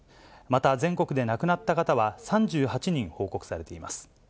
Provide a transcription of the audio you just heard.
また全国で亡くなった方は３８人報告されています。